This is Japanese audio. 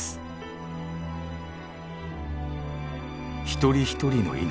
一人一人の命。